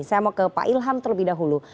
saya mau ke pak ilham terlebih dahulu